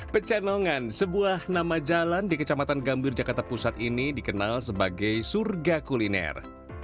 pecenongan sebuah nama jalan di kecamatan gambir jakarta pusat ini dikenal sebagai surga kuliner